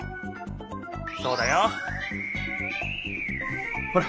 そうだよ！ほら！